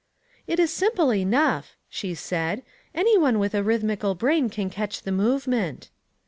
"It is simple enough," she said, "any one with a rhythmical brain can catch the move ment."